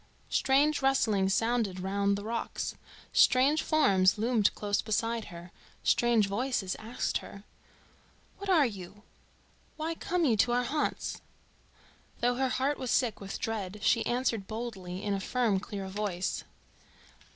Strange rustlings sounded round the rocks, strange forms loomed close beside her, strange voices asked her: "What are you? Why come you to our haunts?" Though her heart was sick with dread she answered boldly in a firm clear voice.